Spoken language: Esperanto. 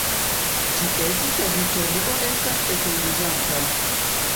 Ties teritorio estas etendiĝanta.